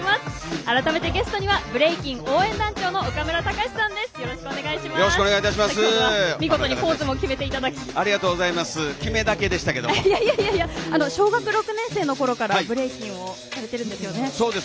改めてゲストにはブレイキン応援団長の岡村隆史さんです。